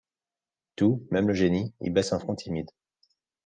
Tout, même le génie, y baisse un front timide